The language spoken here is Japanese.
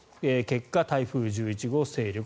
結果、台風１１号勢力